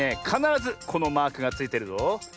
かならずこのマークがついてるぞ。